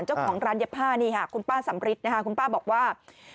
เจ้าของร้านเย็บผ้านี่ค่ะคุณป้าสำริทนะคะคุณป้าบอกว่า